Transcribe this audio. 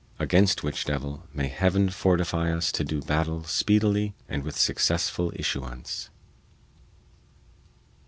Against which devil may Heaven fortify us to do battle speedily and with successful issuance.